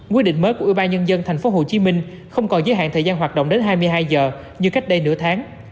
quy định mới của ủy ban nhân dân tp hcm không còn giới hạn thời gian hoạt động đến hai mươi hai giờ như cách đây nửa tháng